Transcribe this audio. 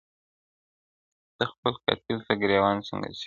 ته خپل قاتل ته ګرېوان څنګه څیرې؟،